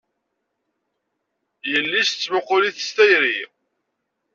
Yelli-s tettmuqul-it s tayri.